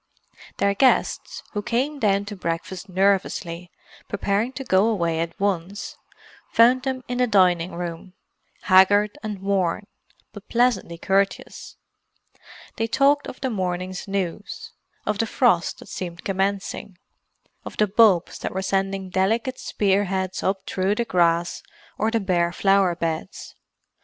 Their guests, who came down to breakfast nervously, preparing to go away at once, found them in the dining room, haggard and worn, but pleasantly courteous; they talked of the morning's news, of the frost that seemed commencing, of the bulbs that were sending delicate spear heads up through the grass or the bare flower beds.